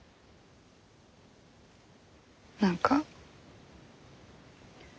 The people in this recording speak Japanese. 何か。